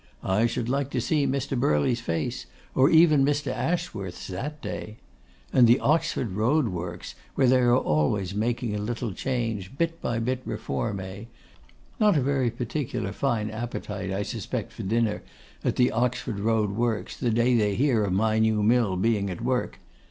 I should like to see Mr. Birley's face, or even Mr. Ashworth's, that day. And the Oxford Road Works, where they are always making a little change, bit by bit reform, eh! not a very particular fine appetite, I suspect, for dinner, at the Oxford Road Works, the day they hear of my new mill being at work.